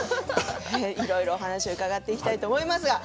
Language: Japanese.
いろいろお話を伺っていきたいと思います。